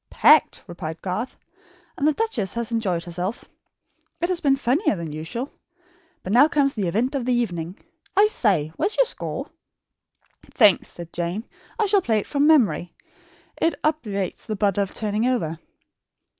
"Packed," replied Garth, "and the duchess has enjoyed herself. It has been funnier than usual. But now comes the event of the evening. I say, where is your score?" "Thanks," said Jane. "I shall play it from memory. It obviates the bother of turning over."